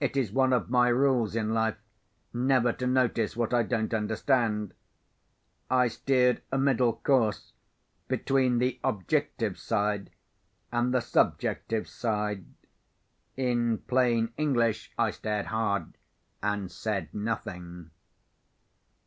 It is one of my rules in life, never to notice what I don't understand. I steered a middle course between the Objective side and the Subjective side. In plain English I stared hard, and said nothing.